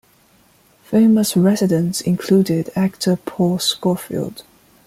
Famous residents included actor Paul Scofield.